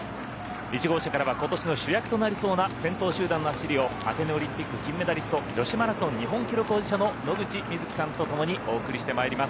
１号車から今年の主役となりそうな選手たちの走りをアテネオリンピック日本記録保持者の野口みずきさんとともにお送りしてまいります。